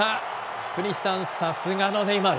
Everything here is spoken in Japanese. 福西さん、さすがのネイマール。